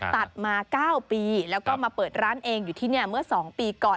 ตัดมา๙ปีแล้วก็มาเปิดร้านเองอยู่ที่นี่เมื่อ๒ปีก่อน